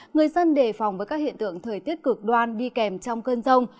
người dân đề phòng với các hiện tượng thời tiết cực đoan đi kèm trong cơn rông